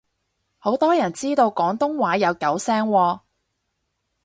好多人知道廣東話有九聲喎